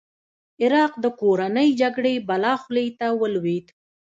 عراق د کورنۍ جګړې بلا خولې ته ولوېد.